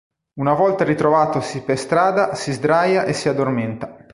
Una volta ritrovatosi per strada si sdraia e si addormenta.